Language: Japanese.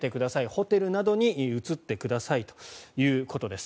ホテルなどに移ってくださいということです。